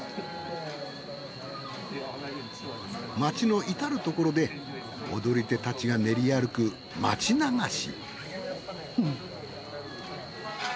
町の至るところで踊り手たちが練り歩く町流し。